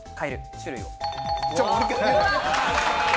種類を。